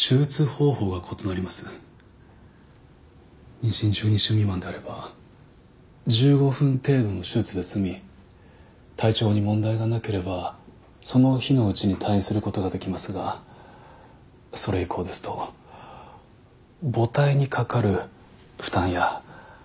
妊娠１２週未満であれば１５分程度の手術で済み体調に問題がなければその日のうちに退院する事ができますがそれ以降ですと母胎にかかる負担やリスクが高まります。